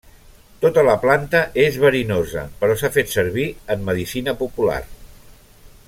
Tota la planta és verinosa, però s'ha fet servir en medicina popular.